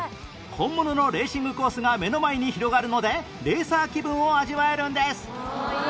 本物のレーシングコースが目の前に広がるのでレーサー気分を味わえるんです